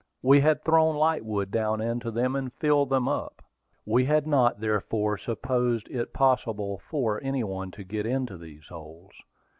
We had thrown lightwood down into them, and filled them up. We had not therefore supposed it possible for any one to get into these holds.